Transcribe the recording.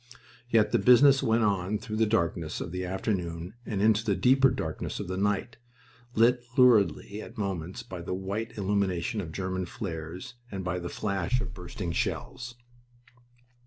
Yet the business went on through the darkness of the afternoon, and into the deeper darkness of the night, lit luridly at moments by the white illumination of German flares and by the flash of bursting shells.